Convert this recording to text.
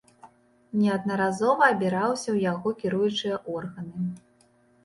Неаднаразова абіраўся ў яго кіруючыя органы.